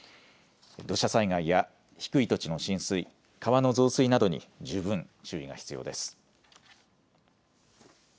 土砂災害や低い土地の浸水、川の増水などに十分注意が必要です。